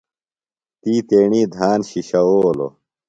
تی تیݨی دھان شِشوؤلوۡ۔